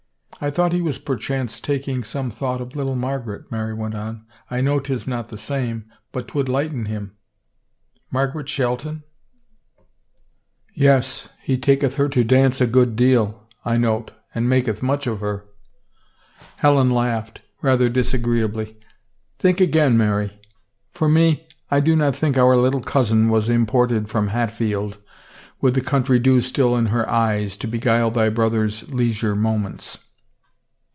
" I thought he was perchance taking some thought of little Margaret," Mary went on. " I know 'tis not the same, but 'twould lighten him." "Margaret Shelton?" 291 THE FAVOR OF KINGS "Yes. He taketh her to dance a good deal, I note, and maketh much of her." Helen laughed, rather disagreeably. " Think again, Mary. For me, I do not think our little cousin was im ported from Hatfield, with the country dew still in her eyes, to beguile thy brother's leisure moments.